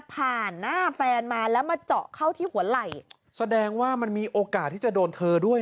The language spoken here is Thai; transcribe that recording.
ผ่านหน้าแฟนมาแล้วมาเจาะเข้าที่หัวไหล่แสดงว่ามันมีโอกาสที่จะโดนเธอด้วย